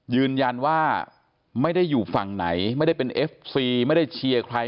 ยืนยันว่าไม่ได้อยู่ฝั่งไหนไม่ได้เป็นเอฟซีไม่ได้เชียร์ใคร